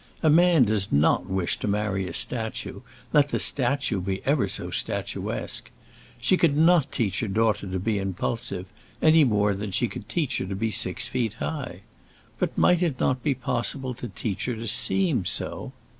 A man does not wish to marry a statue, let the statue be ever so statuesque. She could not teach her daughter to be impulsive, any more than she could teach her to be six feet high; but might it not be possible to teach her to seem so?